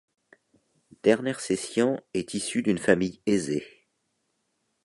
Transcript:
Der Nersessian est issue d'une famille aisée.